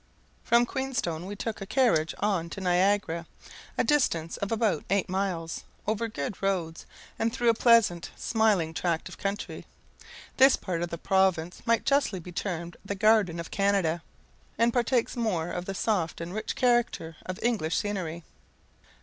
From Queenstone we took a carriage on to Niagara, a distance of about eight miles, over good roads, and through a pleasant, smiling tract of country. This part of the province might justly be termed the garden of Canada, and partakes more of the soft and rich character of English scenery.